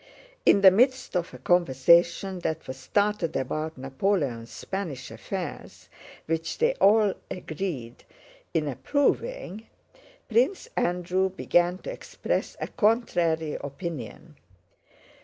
In the midst of a conversation that was started about Napoleon's Spanish affairs, which they all agreed in approving, Prince Andrew began to express a contrary opinion.